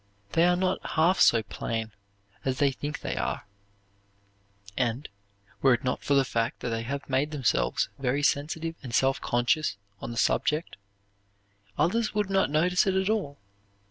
They are not half so plain as they think they are; and, were it not for the fact that they have made themselves very sensitive and self conscious on the subject, others would not notice it at all.